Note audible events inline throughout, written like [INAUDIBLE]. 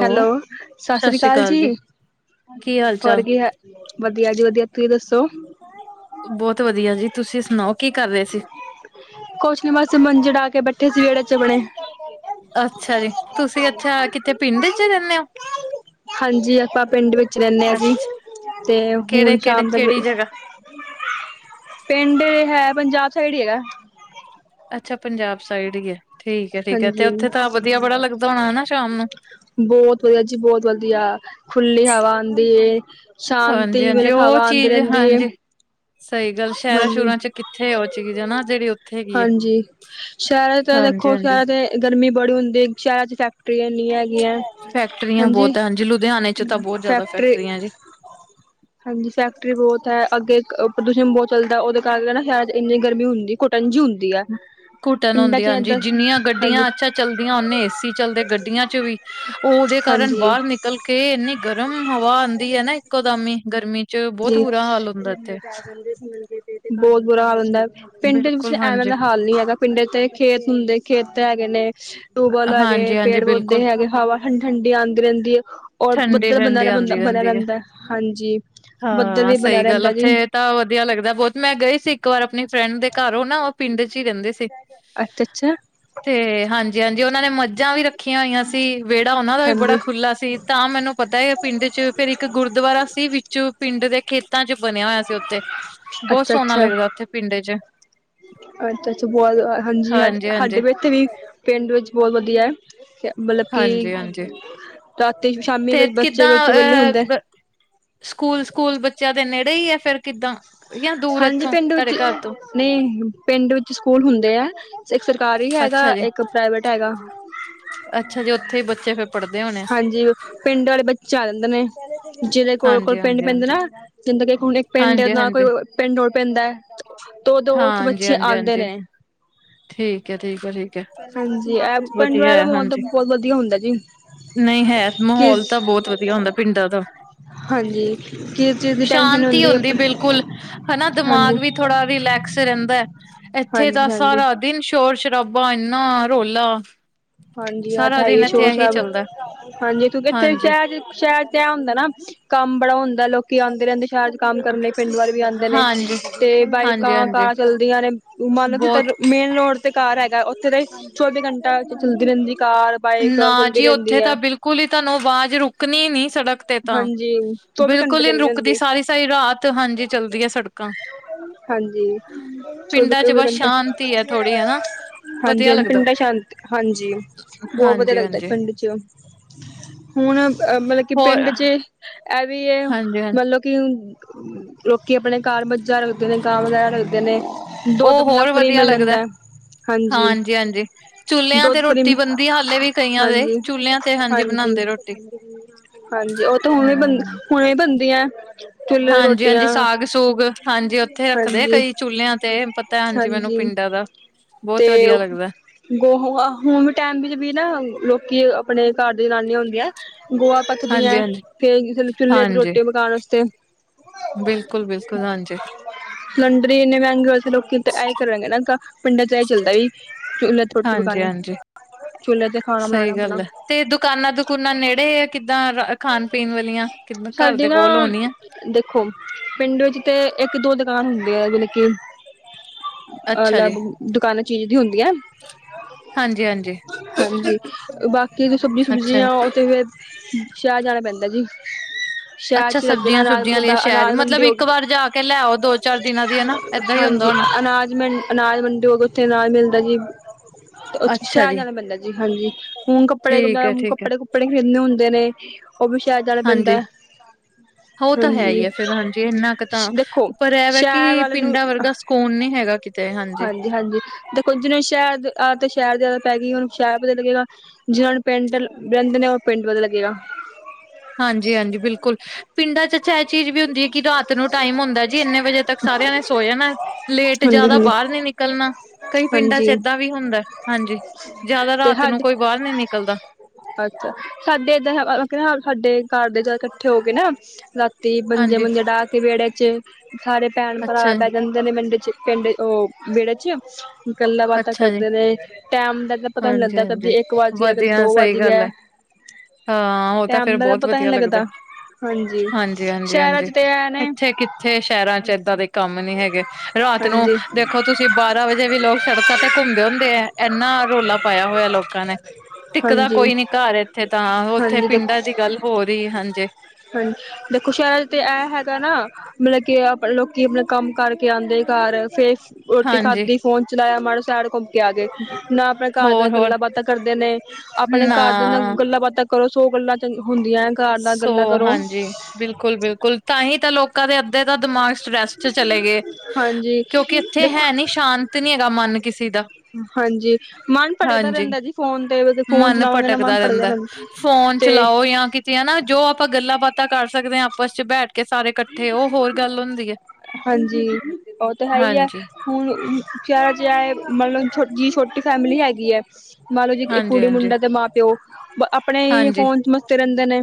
Hello, ਸਤਿ ਸ੍ਰੀ ਅਕਾਲ ਜੀ ਕੀ ਹਾਲ ਹੋਰ ਚਾਲ? ਕੀ ਹਾ ਵਧੀਆ ਜੀ ਵਧੀਆ ਤੁਸੀਂ ਦੱਸੋ? ਬਹੁਤ ਵਧੀਆ ਜੀ ਤੁਸੀਂ ਸੁਣਾਓ ਕੀ ਕਰ ਰਹੇ ਸੀ? ਕੁਛ ਨੀ ਬਸ ਮੰਜੀ ਡਾਹ ਕੇ ਬੈਠੇ ਸੀ ਰੇਹੜੇ ਚ ਆਪਣੇ। ਅੱਛਾ ਜੀ ਤੁਸੀਂ ਅੱਛਾ ਕਿਥੇ ਪਿੰਡ ਚ ਰਹਿੰਦੇ ਹੋ? ਹਾਂਜੀ ਆਪਾਂ ਪਿੰਡ ਵਿੱਚ ਰਹਿੰਦੇ ਹਾਂ ਜੀ ਅੱਛਾ, ਤੇ ਕਿਹੜੇ ਹੁਣ ਕਿਹੜੇ ਸ਼ਾਮ ਤੱਕ ਕਿਹੜੀ ਜਗ੍ਹਾ? ਪਿੰਡ ਹੈ ਪੰਜਾਬ ਸਾਈਡ ਹੀ ਹੈਗਾ। ਅੱਛਾ ਪੰਜਾਬ ਸਾਈਡ ਹੀਈ ਠੀਕ ਹੈ ਠੀਕ ਹੈ ਤੇ ਹਾਂਜੀ ਉੱਥੇ ਤਾਂ ਵਧੀਆ ਬੜਾ ਲੱਗਦਾ ਹੋਣਾ ਹਨਾ ਸ਼ਾਮ ਨੂੰ ਬਹੁਤ ਵਧੀਆ ਜੀ ਬਹੁਤ ਵਧੀਆ ਖੁੱਲੀ ਹਵਾ ਆਉਂਦੀ ਹਾਂਜੀ ਸ਼ਾਂਤੀ ਹਾਂਜੀ, ਮਤਲਬ ਉਹ ਹਵਾ ਆਉਂਦੀ ਚੀਜ਼ ਰਹਿੰਦੀ ਹੈਏ ਹਾਂਜੀ। ਸਹੀ ਗੱਲ ਸ਼ਹਿਰਾਂ ਸ਼ਰਾਂ ਚ ਕਿੱਥੇ ਉਹ ਚੀਜ਼ ਨਾ ਜਿਹੜੀ ਉੱਥੇ ਹੈਗੀ ਹੈ, ਹਾਂਜੀ, ਸ਼ਹਿਰ ਤਾਂ ਹਾਂਜੀ ਦੇਖੋ ਹਾਂਜੀ। ਸ਼ਹਿਰ ਗਰਮੀ ਬੜੀ ਹੁੰਦੀ ਸ਼ਹਿਰਾਂ ਚ ਫੈਕਟਰੀਆਂਨੀ ਹੈਗੀਆਂ। ਫੈਕਟਰੀਆਂ ਬਹੁਤ ਹਾਂਜੀ ਲੁਧਿਆਣੇ ਚ ਤਾਂ ਬਹੁਤ ਜ਼ਿਆਦਾ ਫੈਕਟਰੀ ਫੈਕਟਰੀਆਂ ਜੀ ਹਾਂਜੀ ਫੈਕਟਰੀ ਬਹੁਤ ਹੈ ਅੱਗੇ ਪ੍ਰਦੂਸ਼ਣ ਬਹੁਤ ਚੱਲਦਾ ਉਹਦੇ ਕਾਰਕੇ ਨਾ ਸ਼ਾਇਦ ਇੰਨੀ ਗਰਮੀ ਹੁੰਦੀ ਟੰਜ ਹੁੰਦੀ ਆ ਘੁਟਨ ਹੁੰਦੀ ਹਾਂਜੀ ਜਿੰਨੀਆਂ ਹਾਂਜੀ ਗੱਡੀਆਂ ਅੱਛਾ ਚਲਦੀਆਂ ਓਨੇ ਏਸੀ ਚੱਲਦੇ ਗੱਡੀਆਂ ਚ ਵੀ ਉਹ ਉਹਦੇ ਕਾਰਨ ਹਾਂਜੀ ਬਾਹਰ ਨਿਕਲ ਕੇ ਇੰਨੀ ਗਰਮ ਹਵਾ ਆਉਂਦੀ ਹੈ ਨਾ ਇੱਕੋ ਦਮੀ ਗਰਮੀ ਚ [UNINTELLIGIBLE] ਪੈ ਬਹੁਤ ਬੁਰਾ ਹਾਲ ਹੁੰਦਾ ਇੱਥੇ ਜਾਂਦੇ ਬਹੁਤ ਬੁਰਾ ਹਾਲ ਹੁੰਦਾ। ਪਿੰਡ ਵਿੱਚ ਬਿਲਕੁਲ ਐਵੇਂ ਹਾਂਜੀ ਦਾ ਹਾਲ ਨਹੀਂ ਹੈਗਾ ਪਿੰਡ ਤੇ ਖੇਤ ਹੁੰਦੇ ਖੇਤ ਹੈਗੇ ਨੇ। ਟਿਊਬ ਵਲ ਹੈਗੇ ਹਾਂਜੀ ਹਾਂਜੀ ਪੇੜ ਪੌਦੇ ਬਿਲਕੁਲ ਹੈਗੇ ਹਵਾ ਠੰ ਠੰਡੀ ਆਉਂਦੀ ਰਹਿੰਦੀ ਹੈ ਔਰ ਠੰਡੀ ਬੱਦਲ ਠੰਡੀ ਬਣਿਆ ਬੰਦਾ ਆਂਦੀ ਬਣਿਆ ਰਹਿੰਦੀ ਹੈ ਰਹਿੰਦਾ ਹਾਂਜੀ ਬੱਦਲ ਹਾਂ ਵੀ ਬਣਿਆ ਸਹੀ ਗੱਲ ਰਹਿੰਦਾ ਜੀ ਉੱਥੇ ਤਾਂ ਵਧੀਆ ਲੱਗਦਾ ਬਹੁਤ ਮੈਂ ਗਈ ਸੀ ਇੱਕ ਵਾਰ ਆਪਣੀ ਫਰੈਂਡ ਦੇ ਘਰ ਹੋ ਨਾ ਉਹ ਪਿੰਡ ਚ ਹੀ ਰਹਿੰਦੇ ਸੀ ਅੱਛਾ ਅੱਛਾ, ਤੇ ਹਾਂਜੀ ਹਾਂਜੀ ਉਹਨਾਂ ਨੇ ਮੱਝਾਂ ਵੀ ਰੱਖੀਆਂ ਹੋਈਆਂ ਸੀ ਵਿਹੜਾ ਉਹਨਾਂ ਦਾ ਵੀ ਹਾਂਜੀ ਬੜਾ ਸੀ। ਤਾਂ ਮੈਨੂੰ ਪਤਾ ਹੈ ਪਿੰਡ ਚ ਫੇਿਰ ਇੱਕ ਗੁਰਦੁਆਰਾ ਸੀ ਵਿੱਚ ਪਿੰਡ ਦੇ ਖੇ। ੱਤਾਂ ਚ ਬਣਿਆ ਹੋਇਆ ਸੀ ਉੱਥੇ ਬਹੁਤ ਅੱਛਾ ਸੋਹਣਾ ਅੱਛਾ ਲੱਗਦਾ ਉੱਥੇ ਪਿੰਡ ਚ ਅੱਛਾ ਅੱਛਾ ਬਹੁਤ ਹਾਂਜੀ ਹ ਹਾਂਜੀ-ਹਾਂਜੀ, ਸਾਡੇ ਵੀ ਇੱਥੇ ਵੀ ਪਿੰਡ ਵਿੱਚ ਬਹੁਤ ਵਧੀਆ ਹੈ ਮਤਲਬ ਕਿ ਹਾਂਜੀ-ਹਾਂਜੀ ਰਾਤੀ ਸ਼ਾਮੀ ਤੇ ਬੱਚੇ ਵਿੱਚੋਂ ਵੇਹਲੇ ਹੁੰਦਾ ਸਕੂਲ ਸਕੂਲ ਬੱਚਿਆਂ ਦੇ ਨੇੜੇ ਹੀ ਹੈ ਫੇਰ ਕਿੱਦਾਂ ਜਾਂ ਦੂਰ ਹਾਂਜੀ ਇੱਥੋਂ ਪਿੰਡ ਤੁਹਾਡੇ ਵਿੱਚ ਘਰ ਤੋਂ ਨਹੀਂ ਪਿੰਡ ਵਿੱਚ ਸਕੂਲ ਹੁੰਦੇ ਹੈ ਇੱਕ ਸਰਕਾਰੀ ਹੈਗਾ ਅੱਛਾ ਜੀ, ਇੱਕ ਪ੍ਰਾਈਵੇਟ ਹੈਗਾ ਅੱਛਾ ਜੀ ਉੱਥੇ ਹੀ ਬੱਚੇ ਫੇਰ ਪੜ੍ਹਦੇ ਹੋਣੇ ਹਾਂਜੀ ਪਿੰਡ ਵਾਲੇ ਬੱਚੇ ਆ ਜਾਂਦੇ ਨੇ ਜਿਹਦੇ ਕੋਲ ਕੋਲ ਪਿੰਡ ਪੈਂਦੇ ਹਾਂਜੀ-ਹਾਂਜੀ-ਹਾਂਜੀ, ਨਾ ਜਦੇ ਕਿ ਹੁਣ ਇੱਕ ਪਿੰਡ ਨਾ ਕੋਈ ਹਾਂਜੀ-ਹਾਂਜੀ, ਪਿੰਡਲ ਪੈਂਦਾ ਹੈ ਤੇੋਦੋ ਹਾਂ ਉਥ ਬੱਚੇ ਆਉਂਦੇ ਹਾਂਜੀ-ਹਾਂਜੀ-ਹਾਂਜੀ ਨੇ ਠੀਕ ਹੈ, ਠੀਕ ਹੈ, ਠੀਕ ਹੈ ਹਾਂਜੀ ਇਹ ਪਿੰਡ ਵਧੀਆ ਵਾਲ ਦਾ ਹੈ ਮਾਹੌਲ ਹਾਂਜੀ। ਤਾਂ ਬਹੁਤ ਵਧੀਆ ਹੁੰਦਾ ਜੀ ਨਹੀਂ ਹੈ ਮਾਹੌਲ ਕਿ ਤਾਂ ਬਹੁਤ ਵਧੀਆ ਹੁੰਦਾ ਪਿੰਡਾਂ ਦਾ ਹਾਂਜੀ ਕਿਸ ਚੀਜ਼ ਦੀ ਟੈਂਸ਼ਨ ਤੀ ਹੁੰਦੀ ਬਿਲਕੁਲ। ਹਾਂ ਨਾ, ਦਿਮਾਗ ਵੀ ਥੋੜ੍ਹਾ ਰਿਲੈਕਸ ਰਹਿੰਦਾ ਹੈ। ਇੱਥੇ ਤਾਂ ਹਾਂਜੀ ਹਾਂਜੀ ਸਾਰਾ ਦਿਨ ਸ਼ੋਰ-ਸ਼ਰਾਬਾ, ਇੰਨਾ ਰੌਲਾ। ਹਾਂਜੀ, ਆਹ ਸਾਰਾ ਤਾਂ ਹੈ ਦਿਨ ਹੀ ਇੱਥੇ ਇਹੀ ਸ਼ੋਰ-ਸ਼ਰਾਬਾ। ਚੱਲਦਾ ਹਾਂਜੀ, ਕਿਉਂਕਿ ਇੱਥੇ ਹਾਂਜੀ ਸ਼ਹਿ'ਚ ਸ਼ਹਿਰ ਚ ਐ ਹੁੰਦਾ ਨਾ। ਕੰਮ ਬੜਾ ਹੁੰਦਾ, ਲੋਕੀ ਆਉਂਦੇ ਰਹਿੰਦੇ। ਸ਼ਹਿਰ 'ਚ ਕੰਮ ਕਰਨ ਲਈ ਪਿੰਡ ਵਾਲੇ ਵੀ ਆਉਂਦੇ ਨੇ, ਹਾਂਜੀ ਤੇ ਹਾਂਜੀ ਹਾਂਜੀ ਬਾਈਕਾਂ-ਕਾਰਾਂ ਚਲਦੀਆਂ ਨੇ। ਮੰਨ ਲਓ ਕਿ। ਬਹੁਤ ਮੇਨ ਰੋਡ ਤੇ ਕਾਰ ਹੈਗਾ ਉੱਥੇ ਤੇ ਚੌਵੀ ਘੰਟਾ ਚੱਲਦੀ ਰਹਿੰਦੀ ਕਾਰ। ਬਾਈਕ ਨਾ ਚਲਦੀ ਜੀ, ਰਹਿੰਦੀ ਉੱਥੇ ਹੈ ਤਾਂ ਬਿਲਕੁਲ ਹੀ ਤੁਹਾਨੂੰ ਆਵਾਜ਼ ਰੁਕਣੀ ਨਹੀਂ। ਸੜਕ 'ਤੇ ਤਾਂ। ਜੀ। ਬਿਲਕੁਲ ਹੀ ਨਹੀਂ ਰੁਕਦੀ। ਸਾਰੀ-ਸਾਰੀ ਰਾਤ, ਹਾਂਜੀ, ਚੱਲਦੀ ਹੈ ਸੜਕਾ। ਹਾਂਜੀ ਚ ਚੌਵੀ-ਚੌਵੀ ਬਸ ਘੰਟੇ। ਸ਼ਾਂਤੀ ਹੈ ਹਾਂਜੀ ਥੋੜ੍ਹੀ ਹਨਾ ਵਧੀਆ ਹਾਂਜੀ ਲੱਗਦਾ ਪਿੰਡਾਂ ਸ਼ਾਂਤੀ ਹਾਂਜੀ। ਬਹੁਤ ਵਧੀਆ ਹਾਂਜੀ ਲੱਗਦਾ ਹਾਂਜੀ ਪਿੰਡ 'ਚ, ਹੁਣ, ਅ, ਮਤਲਬ ਕਿ ਹੋਰ ਪਿੰਡ 'ਚ। ਇਹ ਵੀ ਇਹ ਹਾਂਜੀ ਹਾਂਜੀ ਮਤਲਬ। ਕਿ ਲੋਕੀ ਆਪਣੇ ਘਰ ਮੱਝਾਂ ਰੱਖਦੇ ਨੇ, ਗਾਵਾਂ ਵਗੈਰ ਰੱਖਦੇ ਨੇ। ਦੁੱਧ ਉਹ ਆਪਣਾ ਹੋਰ ਫ੍ਰੀ ਵਧੀਆ ਮਿਲ ਲੱਗਦਾ ਜਾਂਦਾ ਹੈ, ਹਾਂਜੀ। ਹਾਂਜੀ, ਹਾਂਜੀ। ਚੁੱਲਿਆਂ ਤੇ ਦੁੱਧ ਫਰੀਮ ਰੋਟੀ ਬਣਦੀ ਹਾਲੇ ਵੀ ਕਈਆਂ ਦੇ ਹਾਂਜੀ ਚੁੱਲਿਆਂ ਤੇ ਹਾਂਜੀ। ਬਣਾਉਂਦੇ ਰੋਟੀ ਹਾਂਜੀ ਉਹ ਤਾਂ ਹੁਣ ਵੀ ਬਣ ਹਮ ਹੁਣੇ ਵੀ ਬਣਦੀਆਂ ਚੁੱਲ੍ਹੇ ਤੇ ਹਾਂਜੀ ਹਾਂਜੀ ਰੋਟੀਆਂ। ਸਾਗ ਸੂਗ ਹਾਂਜੀ ਉੱਥੇ ਰੱਖਦੇ ਹਾਂਜੀ ਕਈ ਚੁੱਲ੍ਹਿਆਂ ਤੇ ਪਤਾ ਹਾਂਜੀ ਮੈਨੂੰ ਪਿੰਡਾਂ ਦਾ। ਬਹੁਤ ਵਧੀਆ ਲੱਗਦਾ। ਗੋਹੇ ਹੂਨ ਟਾਈਮ ਵਿੱਚ ਵੀ ਨਾ, ਲੋਕੀ ਆਪਣੇ ਘਰ ਦੀ ਜਨਾਨੀ ਹੁੰਦੀ ਆ। ਗੋਹਾ ਹਾਂਜੀ ਪੱਥਦੀਆਂ ਹਾਂਜੀ ਫਿਰ ਚੁੱਲ੍ਹੇ ਚ ਹਾਂਜੀ ਰੋਟੀ ਪਕਾਉਣ ਵਾਸਤੇ। ਬਿਲਕੁਲ, ਬਿਲਕੁਲ। ਹਾਂਜੀ। ਸਲੰਡਰੀ ਇੰਨੇ ਮਹਿੰਗੇ ਹੋਏ ਦੇ ਲੋਕੀ ਤੇ ਇਹ ਹੀ ਕਰਾਂਗੇ ਨਾ ਪਿੰਡਾਂ ਚ ਇਹ ਚੱਲਦਾ ਵੀੁ ਚੁਲੇ ਹਾਂਜੀ ਹਾਂਜੀ। ਚੁੱਲੇ ਤੇ ਖਾਣਾ। ਸਹੀ ਬਣਾਣਾ ਆਪਣਾ ਗੱਲ। ਤੇ ਦੁਕਾਨਾਂ, ਦੁਕਾਨਾਂ ਨੇੜੇ ਆ। ਕਿੱਦਾਂ, ਖਾਣ-ਪੀਣ ਵਾਲੀਆਂ? ਕਿ ਘਰ ਦੇ ਸਾਡੀ ਨਾ ਕੋਲ ਆਉਣੀ ਆ। ਦੇਖੋ, ਪਿੰਡ ਵਿੱਚ ਤੇ ਇੱਕ-ਦੋ ਦੁਕਾਨਾਂ ਹੁੰਦੀਆਂ ਆ, ਜਿਵੇਂ ਕਿ। ਅੱਛਾ ਅਲੱਗ ਜੀ ਦੁਕਾਨਾਂ, ਚੀਜ਼ਾਂ ਦੀਆਂ ਹੁੰਦੀਆਂ। ਹਾਂਜੀ ਹਾਂਜੀ ਹਾਂਜੀ ਬਾਕੀ ਜੋ ਸਬਜ਼ੀ ਅੱਛਾ ਸਬਜ਼ੀਆਂ ਉਹ ਤੇ ਫਿਰ ਸ਼ਹਿਰ ਜਾਣਾ ਪੈਂਦਾ ਜੀ। ਸ਼ਹਿਰ ਅੱਛਾ 'ਚ ਲੱਗਦੀ ਨਾ ਅਨਾਜ ਸਬਜ਼ੀਆਂ-ਸੁਬਜ਼ੀਆਂ ਲਈ ਸ਼ਹਿਰ ਅਨਾਜ ਮਤਲਬ ਮੰਡੀ ਹੋ। ਇੱਕ ਵਾਰ ਜਾ ਕੇ ਲੈਆਓ। ਹਾਂਜੀ ਅਨਾਜ ਮੈਨ। ਅਨਾਜ ਮੰਡੀ ਹੋਗੀ, ਉੱਥੇ ਅਨਾਜ ਮਿਲਦਾ ਜੀ, ਤੇ ਉੱਥੇ ਅੱਛਾ ਸ਼ਹਿਰ ਜੀ, ਜਾਣਾ ਪੈਂਦਾ ਜੀ। ਹਾਂਜੀ। ਹੂਣ ਕੱਪੜੇ, ਠੀਕ ਐ, ਠੀਕ ਐ। ਕੱਪੜੇ, ਕੱਪੜੇ ਖਰੀਦਣੇ ਹੁੰਦੇ ਨੇ। ਉਹ ਵੀ ਸ਼ਹਿਦਾ ਹਾਂਜੀ, ਬੰਦਾ, ਉਹ ਤਾਂ ਹੈ ਹੀ ਹਾਂਜੀ। ਐ ਫੇਰ ਹਾਂਜੀ ਇੰਨਾ ਕੁ ਤਾਂ, ਦੇਖੋ ਪਰ ਇਹ ਵੀ ਹੈ ਸ਼ਹਿਰ ਕਿ ਵਾਲੇ ਨੂੰ ਪਿੰਡਾਂ ਵਰਗਾ ਸਕੂਨ ਨਹੀਂ ਹੈਗਾ ਕਿਤੇ। ਹਾਂਜੀ। ਹਾਂਜੀ। ਕੁੱਝ ਨਹੀ ਸ਼ਹਿਰ ਆਦ ਸ਼ਹਿਰ ਆਦਤ ਪੈ ਗਈ ਉਹਨੂੰ ਸ਼ਹਿਰ ਪਤਾ ਲੱਗੇਗਾ। ਜਿਨ੍ਹਾਂ ਨੂੰ ਪਿੰਡ ਰਹਿੰਦੇ ਨੇ, ਉਹ ਪਿੰਡ ਵਧੀਆ ਲੱਗੇਗਾ। ਹਾਂਜੀ, ਹਾਂਜੀ, ਬਿਲਕੁਲ। ਪਿੰਡਾਂ 'ਚ ਚ ਇਹ ਚੀਜ਼ ਵੀ ਹੁੰਦੀ ਹੈ। ਕਿ ਰਾਤ ਨੂੰ ਟਾਈਮ ਹੁੰਦਾ ਜੀ, ਇੰਨੇ ਵਜੇ ਤੱਕ ਸਾਰਿਆਂ ਨੇ ਸੌਂ ਜਾਣਾ। ਲੇਟ, ਹਾਂਜੀ ਜ਼ਿਆਦਾ ਹਾਂਜੀ ਬਾਹਰ ਨੀ ਨਿਕਲਣਾ। ਕਈ ਪਿੰਡਾਂ 'ਚ ਹਾਂਜੀ ਏਦਾਂ ਵੀ ਹੁੰਦਾ, ਹਾਂਜੀ। ਜਿਆਦਾ ਤੇ ਰਾਤ ਨੂੰ, ਸਾਡੇ ਕੋਈ ਬਾਹਰ ਨੀ ਨਿਕਲਦਾ। ਅੱਛਾ, ਸਾਡੇ ਏਦਾਂ ਸਾਡੇ ਘਰ ਦੇ, ਜਦ ਇਕੱਠੇ ਹੋ ਗਏ ਨਾ। ਹਾਂਜੀ, ਮੰਜੇ-ਮੰਜੇ ਡਾਹ ਕੇ ਵਿਹੜੇ 'ਚ, ਸਾਰੇ ਭੈਣ-ਭਰਾ ਅੱਛਾ ਜੀ, ਬਹਿ ਜਾਂਦੇ। ਨਾ, ਪਿੰਡ ਪਿੰਡ ਉਹ ਵਿਹੜੇ 'ਚ। ਗੱਲਾਂ-ਬਾਤਾਂ ਅੱਛਾ ਜੀ। ਕਰਦੇ ਨੇ, ਟਾਈਮ ਦਾ ਤਾਂ ਪਤਾ ਹੀ ਨਹੀਂ ਲੱਗਦਾ। ਹਾਂਜੀ-ਹਾਂਜੀ, ਕਦੇ ਇੱਕ ਵੱਜ ਗਿਆ, ਕਦੇ ਵਧੀਆ ਦੋ ਸਹੀ ਵੱਜ ਗੱਲ ਗਿਆ। ਐ। ਹਾਂ, ਉਹ ਤਾਂ ਫਿਰ ਟੈਮ ਦਾ ਬਹੁਤ ਪਤਾ ਵਧੀਆ ਨੀ ਲੱਗਦਾ। ਹਾਂਜੀ। ਹਾਂਜੀ ਹਾਂਜੀ ਸ਼ਹਿਰਾਂ ਹਾਂਜੀ ਚ ਤੇ ਐ ਨੇ ਇੱਥੇ ਕਿੱਥੇ ਸ਼ਹਿਰਾਂ ਚ ਏਦਾਂ ਦੇ ਕੰਮ ਨੀ ਹੈਗੇ ਰਾਤ ਨੂੰ ਹਾਂਜੀ ਦੇਖੋ ਤੁਸੀਂ ਬਾਰਾਂ ਵਜੇ ਵੀ ਲੋਕ ਸੜਕਾਂ ਤੇ ਘੁੰਮਦੇ ਹੁੰਦੇ ਹੈ ਇੰਨਾ ਰੋਲਾ ਪਾਇਆ ਹੋਇਆ ਲੋਕਾਂ ਨੇ ਟਿੱਿਕਦਾ ਹਾਂਜੀ ਕੋਈ ਨੀ ਘਰ ਇੱਥੇ ਤਾਂ ਉੱਥੇ ਹਾਂਜੀ ਦੇਖੋ ਪਿੰਡਾਂ ਦੀ ਗੱਲ ਹੋ ਰ ਹੀ ਹਾਂਜੀੇ। ਹਾਂਜੀ ਦੇਖੋ ਸ਼ਹਿਰ ਤੇ ਇਹ ਹੈਗਾ ਨਾ ਮਤਲਬ ਕਿ ਆਪ ਲੋਕੀ ਆਪਣਾ ਕੰਮ ਕਰਕੇ ਆਉਂਦੇ ਘਰ ਫੇਰ ਰੋਟੀ ਹਾਂਜੀ। ਖਾਧੀ ਫੋਨ ਚਲਾਇਆ ਮੜਾ ਸਡ ਆ ਗਏ ਨਾ ਆਪਣੇ ਘਰ ਦੇ ਨਾਲ ਹੋਰ-ਹੋਰ ਗੱਲਾਂ ਬਾਤਾਂ ਕਰਦੇ ਨੇ ਆਪਣੇ ਨਾ ਘਰ ਦੇ ਨਾਲ ਗੱਲਾਂ ਬਾਤਾਂ ਕਰੋ ਸੋ ਗੱਲਾਂ ਚੰ ਹੁੰਦੀਆਂ। ਘਰ ਨਾਲ ਸੋ ਗੱਲਾਂ ਕਰੋ ਹਾਂਜੀ ਬਿਲਕੁਲ ਬਿਲਕੁਲ ਤਾਂਹੀ ਤਾਂ ਲੋਕਾਂ ਦੇ ਅੱਧੇ ਦਾ ਦਿਮਾਗ ਸੈਸਟ ਚਲੇ ਗਏ ਹਾਂਜੀ ਕਿਉਂਕਿ ਇੱਥੇ ਦੇਖੋ ਹੈ ਨੀ ਸ਼ਾਂਤ ਨੀ ਹੈਗਾ ਮਨ ਕਿਸੇ ਦਾ। ਹਾਂਜੀ ਮਨ ਭੜਕਦਾ ਹਾਂਜੀ, ਰਹਿੰਦਾ ਜੀ ਫੋਨ ਤੇ ਫੋਨ ਮਨ ਚਲਾਵਾਂਗੇ ਨਾ ਮਨ ਭਟਕਦਾ ਭੜਕਦਾ ਰਹਿੰਦਾ। ਫੋਨ ਤੇ ਚਲਾਓ ਜਾਂ ਕਿਤੇ ਹਨਾ ਜੋ ਆਪਾਂ ਗੱਲਾਂ ਬਾਤਾਂ ਕਰ ਸਕਦੇ ਹਾਂ ਆਪਸ ਚ ਬੈਠ ਕੇ ਸਾਰੇ ਇਕੱਠੇ ਉਹ ਹੋਰ ਗੱਲ ਹੁੰਦੀ ਹੈ ਹਾਂਜੀ ਉਹ ਤਾਂ ਹੈ ਹੀ ਹੈ ਹਾਂਜੀ। ਹੁਣ ਜਿਹਾ ਮਤਲਬ ਜਿ ਛੋਟੀ ਫੈਮਲੀ ਹੈਗੀ ਹੈ। ਮੰਨ ਲਓ ਜੀ ਇੱਕ ਹਾਂਜੀ, ਕੁੜੀ ਹਾਂਜੀ, ਮੁੰਡਾ ਤੇ ਮਾਂ ਪਿਓ ਆਪਣੇ ਹੀ ਫੋਨ ਚ ਮਸਤੀ ਰਹਿੰਦੇ ਨੇ।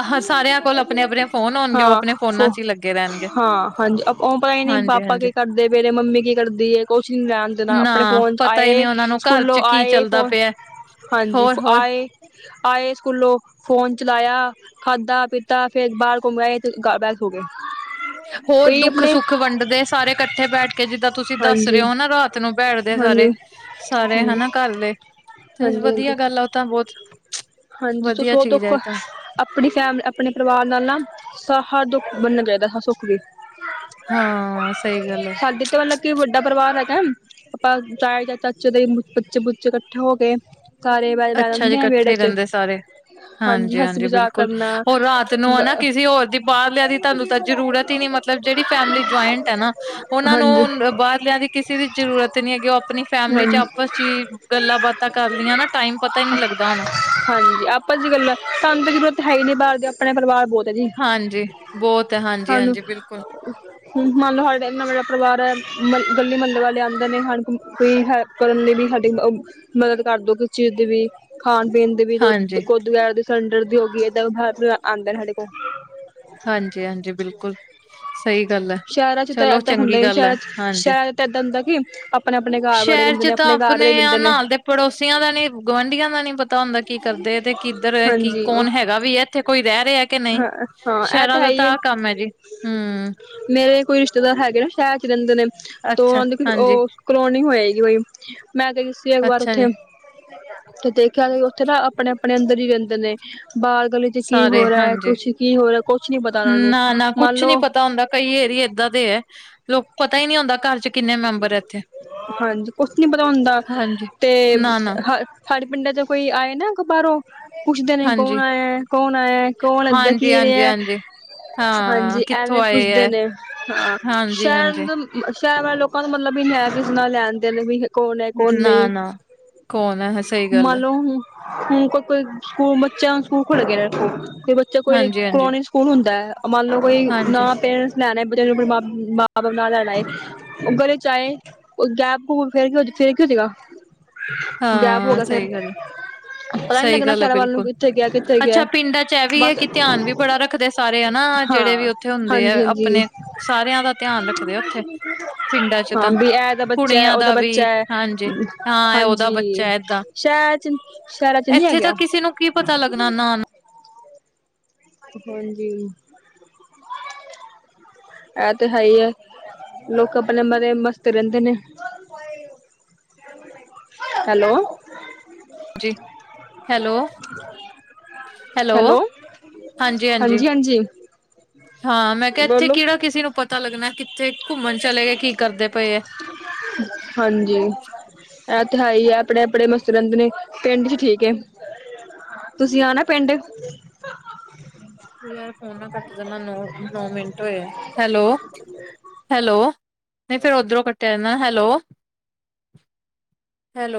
ਆਹਾਂ ਸਾਰਿਆਂ ਕੋਲ ਆਪਣੇ ਆਪਣੇ ਫ਼ੋਨ ਆਉਣਗੇ ਓ ਆਪਣੇ ਫ ਫੋਨਾਂ ਚ ਹੀ ਲੱਗੇ ਰਹਿਣਗੇ। ਹਾਂ ਹਾਂਜੀ ਉਹ ਪਤਾ ਹੀ ਨਹੀਂ ਪਾਪਾ ਹਾਂਜੀ-ਹਾਂਜੀ, ਕੀ ਕਰਦੇ ਮੇਰੇ ਮੰਮੀ ਕੀ ਕਰਦੀ। ਕੋਚਿੰ ਲੈਣ ਦੇਣਾ ਆਪਣੇ ਨਾ ਫੋਨ ਪਤਾ ਹੀ ਆਏ ਨਹੀਂ ਉਹਨਾਂ ਨੂੰ ਘਰ ਸਕੂਲੋਂ ਚ ਕੀ ਆਏ ਚੱਲਦਾ ਫੋਨ ਪਿਆ। ਹਾਂਜੀ ਹੋਰ-ਹੋਰ, ਆਏ। ਆਏ ਸਕੂਲੋਂ ਫੋਨ ਚਲਾਇਆ ਖਾਧਾ ਪੀਤਾ ਫਿਰਰ ਬਾਹਰ ਘੁੰਮ ਆਏ ਇਕਾ ਬੇਗ ਹੋ ਗਿਆ ਹੋਰ ਦੁੱਖ ਸੁੱਖ ਵੰਡਦੇ ਸਾਰੇ ਇਕੱਠੇ ਬੈਠ ਕੇ ਜਿੱਦਾਂ ਤੁਸੀਂ ਦੱਸ ਰਹੇ ਹਾਂਜੀ ਹੋ ਨਾ ਰਾਤ ਨੂੰ ਬੈਠਦੇ ਸਾਰੇ। ਹਾਂਜੀ ਸਾਰੇ ਹਾਂਜੀ ਹਨਾ ਘਰ ਦੇ ਤੇ ਹਾਂਜੀ ਹਾਂਜੀ ਵਧੀਆ ਗੱਲ ਆ ਉਹ ਤਾਂ ਬਹੁਤ ਹਾਂਜੀ ਵਧੀਆ ਤੁਸੀਂ ਉਹ ਚੀਜ਼ ਹੈ ਦੁੱਖ ਇਹ ਤਾਂ। ਆਪਣੀ ਫੈਮ ਆਪਣੇ ਪਰਿਵਾਰ ਨਾਲ ਨਾ ਸਾਹਾ ਦੁੱਖ ਬਨਨਾ ਚਾਹੀਦਾ ਸੁੱਖ ਵੀ। ਹਾਂ ਸਹੀ ਗੱਲ ਹੈ ਸਾਡੀ ਤੇ ਮਤਲਬ ਵੱਡਾ ਪਰਿਵਾਰ ਹੈਗਾ ਆਪਾਂ ਚਾਏ ਜਾ ਚਾਚੇ ਦੇ ਬੱਚੇ ਬੁੱਚੇ ਇਕੱਠੇ ਹੋ ਕੇ ਸਾਰੇ ਬਹਿ ਅੱਛਾ ਜੀ ਜਾਂਦੇ ਆ ਇਕੱਠੇ ਵਿਹੜੇ ਹੀ ਚ ਰਹਿੰਦੇ ਸਾਰੇ। ਹਾਂਜੀ ਹਸੀ ਹਾਂਜੀ ਮਜ਼ਾਕ ਬਿਲਕੁਲ ਕਰਨਾ ਉਹਰ ਰਾਤ ਨੂੰ ਹੈ ਨਾ ਕਿਸੇ ਰ ਦੀ ਬਾਹਰ ਲਿਆ ਦੀ ਤੁਹਾਨੂੰ ਤਾਂ ਜ਼ਰੂਰਤ ਹੀ ਨੀ ਮਤਲਬ ਜਿਹੜੀ ਫੈਮਿਲੀ ਜੁਆਇੰਟ ਹੈ ਨਾ ਉਹਨਾਂ ਹਾਂਜੀ ਨੂੰ ਬਾਹਰਲਿਆਂ ਦੀ ਕਿਸੇ ਦੀ ਜਰੂਰਤ ਨੀ ਹੈਗੀ ਉਹ ਆਪਣੀ ਫੈਮਿਲੀ ਚ ਹਾਂਜੀ ਆਪਸ ਹੀ ਗੱਲਾਂ ਬਾਤਾਂ ਕਰਲੀਆਂ ਨਾ। ਟਾਈਮ ਪਤਾ ਹੀ ਨਹੀਂ ਲੱਗਦਾ ਹੋਣਾ ਹਾਂਜੀ ਆਪਾਸ ਚ ਗੱਲਾਂ ਸਾਨੂੰ ਤੇ ਜ਼ਰੂਰਤ ਹੈ ਹੀ ਨਹੀਂ ਬਾਹਰ ਦੀ ਆਪਣੇ ਪਰਿਵਾਰ ਬਹੁਤ ਹੈ ਜੀ। ਹਾਂਜੀ ਬਹੁਤ ਹੈ ਹਾਂਜੀ ਹਾਂਜੀ ਬਿਲਕੁਲ। ਹ ਮੰਨ ਲਓ ਸਾਡੇ ਇਨਾ ਵੇਡਾ ਪਰਿਵਾਰ ਹੈ ਗੱਲਲੀ ਮੰੱਲ ਵਾਲੇ ਆਉਂਦੇ ਨੇ ਹ ਕੋਈ ਹੈ। ਕਰਨ ਲਈ ਵੀ ਸਾਡੀ ਮਦਦ ਕਰਦੋ ਕਿਸ ਚੀਜ਼ ਦੀ ਵੀ ਖਾਣ ਪੀਣ ਦੀ ਹਾਂਜੀ ਦੁੁੱਦ ਵਗੈ ਦੇ ਸਿਲੰਡਰ ਦੀ ਹੋ ਗਈ ਏਦ ਬਾਹਰ ਆਉਂਦਾ ਸਾਡੇ ਕੋਲ। ਹਾਂਜੀ ਹਾਂਜੀ ਬਿਲਕੁਲ ਸਹੀ ਗੱਲ ਹੈ ਸ਼ਹਿਰਾਂ ਚ ਤਾਂ ਚਲੋ ਏਦਾਂ ਹੁੰਦਾ ਚੰਗੀ ਹੀ ਗੱਲ ਹੈ ਸ਼ਹਿਰਾਂ ਚ ਹਾਂਜੀ। ਸ਼ਹਿਰਾਂ ਚ ਤਾਂ ਏਦਾਂ ਹੁੰਦਾ ਕਿ ਆਪਣੇ ਆਪਣੇ ਘਰ ਬੜੇ ਸ਼ਹਿਰ ਰਹਿੰਦੇ ਚ ਨੇ ਤਾਂ ਘਰ ਆਪਣੇ ਦੇ ਰਹਿੰਦੇ ਨੇ ਨਾਲ ਦੇ ਪੜੋਸੀਆਂ ਦਾ ਨੀ ਗੁਆਂਢੀਆਂ ਦਾ ਨੀ ਪਤਾ। ਪਤਾ ਹੁੰਦਾ ਕੀ ਕਰਦੇ ਤੇ ਕਿੱਧਰ ਕੀ ਹਾਂਜੀ ਕੌਣ ਹੈਗਾ ਵੀ ਹੈ ਇੱਥੇ ਕੋਈ ਰਹਿ ਰਿਹਾ ਕਿ ਨਹੀਂ। ਹਾਂ ਹਾਂ ਇਹ ਸ਼ਹਿਰਾਂ ਹੈ ਦਾ ਹੀ ਤਾਂ ਆਹ ਕੰਮ ਹੈ ਜੀ ਹਮ। ਮੇਰੇ ਕੋਈ ਰਿਸ਼ਤੇਦਾਰ ਹੈਗੇ ਨਾ ਸ਼ਹਿਰ ਚ ਰਹਿੰਦੇ ਨੇ ਤੇ ਅੱਛਾ ਉਹਨਾਂ ਦੇ ਹਾਂਜੀ ਉਹ ਕਲੋਨੀ ਹੋਏਗੀ ਕੋਈ ਮੈਂ ਕਈ ਸੀ ਇੱਕ ਵਾਰ ਅੱਛਾ ਉੱਥੇ ਜੀ ਤੇ ਦੇਖਿਆ ਉੱਥੇ ਨਾ ਆਪਣੇ ਆਪਣੇ ਅੰਦਰ ਹੀ ਰਹਿੰਦੇ ਨੇ ਬਾਹਰ ਗਲੀ ਚ ਕੀ ਸਾਰੇ ਹੋ ਰਿਹਾ ਹੈ ਹਾਂਜੀ ਕੁਛ ਕੀ ਹੋ ਰਿਹਾ ਕੁਛ ਨੀ ਪਤਾ ਉਹ ਨੂੰ ਨਾ ਨਾ ਮੰਨ ਕੁਛ ਨੀ ਲੋਓ ਪਤਾ ਹੁੰਦਾ ਕਈ ਏਰੀਏ ਇਏਦਾਂ ਦੇ ਹੈ ਲੋਕ ਪਤਾ ਹੀ ਨਹੀਂ ਹੁੰਦਾ ਘਰ ਚ ਕਿੰਨੇ ਮੈਂਬਰ ਹੈ ਇੱਥੇ ਹਾਂਜੀ ਕੁਛ ਨੀ ਪਤਾ ਹੁੰਦਾ ਹਾਂਜੀ ਤੇ ਨਾ ਨਾ ਹੈ ਸਾਡੇ ਪਿੰਡਾਂ ਚ ਕੋਈ ਆਏ ਨਾ ਬਾਹਰੋਂ ਪੁੱਛਦੇ ਨੇ ਕੌਣ ਹਾਂਜੀ ਆਇਆ। ਕੌਣ ਆਇਆ ਕੌਣ ਏਦਾਂ ਹਾਂਜੀ ਕੀ ਹਾਂਜੀ ਰਿਹਾ। ਹਾਂਜੀ ਹਾਂ ਹਾਂਜੀ, ਕਿੱਥੋਂ ਐਵੇਂ ਆਏ ਪੁੱਛਦੇ ਹੈ ਨੇ ਹਾਂ ਹਾਂਜੀ ਹਾਂਜੀ ਸ਼ਹਿਰ ਸ਼ਹਿਰ ਵਾਲੇ ਲੋਕਾਂ ਨੂੰ ਮਤਲਬ ਵੀ ਹੈ, ਕਿਸ ਨਾਲ ਲੈਣਦੇ ਨੇ ਵੀ ਕੌਣ ਐ ਕੌਣ ਨਾ ਨਹੀਂ। ਨਾ ਕੌਣ ਹੈ ਸਹੀ ਗੱਲ ਮਨ ਹੈ ਲਓ ਹ ਹੁਣ ਕੋਈ ਕੋਈ ਸਕੂਲ ਬੱਚਿਆਂ ਸਕੂਲ ਖੁਲ ਗਿਆ ਤੇ ਬੱਚਿਆਂ ਚ ਕੋਈ ਹਾਂਜੀ ਹਾਂਜੀ ਕੋੋਣੀ ਸਕੂਲ ਹੁੰਦਾ ਐ, ਮੰਨ ਲਓ ਕੋਈ ਹਾਂਜੀ ਨਾ ਪੇਰੈਂਟਸ ਲੈਣਾ ਬਜ਼ੁਰਗ ਬ ਮਾ ਲੈਣਾ ਹੈ ਏਕ ਉਹ ਗਲੇ ਚ ਆਏ ਉਹ ਗੈਪ ਘ ਫ ਫੇਰ ਕੀ ਹੋ ਸੀਗਾ। [INAUDIBLE] ਹਾਂ ਸਹੀ ਗੱਲ ਆ। ਪਤਾ ਨੀ ਸਹੀ ਲੱਗਣਾ ਗੱਲ ਹੈ, ਸ਼ਹਿਰਾਂ ਵੱਲ ਨੂੰ ਬਿਲਕੁਲ ਕਿੱਥੇ ਗਿਆ ਕਿੱਥੇ ਅੱਛਾ ਗਿਆ ਪਿੰਡਾਂ ਚ ਇਹ ਵੀ ਹੈ ਬਸ ਕਿ ਧਿਆਨ ਵੀ ਬੜਾ ਰੱਖ ਰੱਖਦੇ ਸਾਰੇ ਹਨਾ, ਜਿਹੜੇ ਹਾਂ ਵੀ ਉੱਥੇ ਹੁੰਦੇ ਹਾਂਜੀ ਆ ਹਾਂਜੀ ਆਪਣੇ ਸਾਰਿਆਂ ਦਾ ਧਿਆਨ ਰੱਖਦੇ ਆ ਉੱਥੇ। ਪਿੰਡਾਂ ਚ ਹਾਂ ਤਾਂ ਵੀ ਇਹ ਦਾ ਬੱਚਾ ਹੈ ਕੁੜੀਆਂ ਉਹਦਾ ਦਾ ਵੀ ਬੱਚਾ ਹਾਂਜੀ ਹਾਂ, ਉਹਦਾ ਬੱਚਾ ਏਦਾਂ ਸ਼ਹਰ ਚ ਸ਼ਹਿਰਾਂ ਚ ਨੀ ਹੈ ਗਿਆ। ਨਾ ਨਾ ਹਾਂਜੀ। ਇਹ ਤੇ ਹੈ ਹੀ ਐ, ਲੋਕ ਆਪਣੇ ਮਰੇ ਮਸਤ ਰਹਿੰਦੇ ਨੇ। ਹੈਲੋ ਜੀ ਹੈਲੋ ਹੈਲੋ, ਹਾਂਜੀ-ਹਾਂਜੀ। ਹਾਂਜੀ ਹਾਂਜੀ ਹਾਂ, ਮੈਂ ਕਿਹਾ ਇੱਥੇ ਬੋਲੋ ਕਿਹੜਾ ਕਿਸੇ ਨੂੰ ਪਤਾ ਲੱਗਣਾ ਕਿੱਥੇ ਘੁੰਮਣ ਚਲੇ ਗਏ ਕੀ ਕਰਦੇ ਪਏ ਐ। ਹਾਂਜੀ। ਐਤੇ ਹੈਹੀ ਹੈ, ਆਪਣੇ-ਆਪਣੇ ਮਸਤ ਰਹਿੰਦੇ ਨੇ ਪਿੰਡ ਚ ਠੀਕ ਐ। ਤੁਸੀਂ ਆਣਾ ਪਿੰਡ ਯਾਰ ਫੋਨ ਨਾ ਕੱਟ ਦੇਣਾ ਨੋ-ਨੋ ਮਿੰਟ ਹੋਏ ਹੈ, ਹੈਲੋ। ਹੈਲੋ, ਨਹੀਂ ਫੇਰ ਓਧਰੋਂ ਕੱਟਿਆ ਜਾਂਦਾ, ਹੈਲੋ। ਹੈਲੋ।